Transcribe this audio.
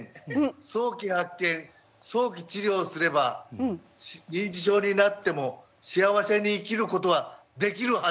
早期発見早期治療すれば認知症になっても幸せに生きることはできるはずです。